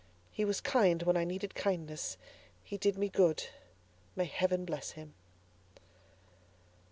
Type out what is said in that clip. He was kind when I needed kindness; he did me good. May Heaven bless him!